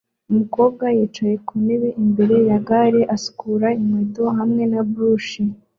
Umukobwa yicaye ku ntebe imbere ya gare isukura inkweto hamwe na brush